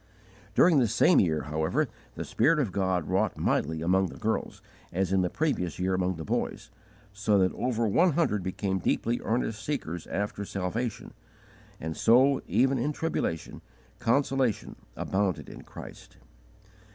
During this same year, however, the Spirit of God wrought mightily among the girls, as in the previous year among the boys, so that over one hundred became deeply earnest seekers after salvation; and so, even in tribulation, consolation abounded in Christ.